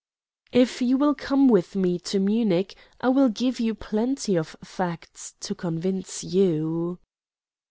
"If you will come with me to Munich, I will give you plenty of facts to convince you."